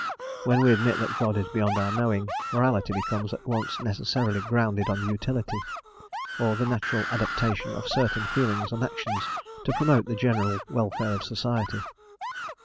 When we admit that God is beyond our knowing, morality becomes at once necessarily grounded on utility, or the natural adaptation of certain feelings and actions to promote the general welfare of society.